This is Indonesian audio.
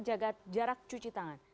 jaga jarak cuci tangan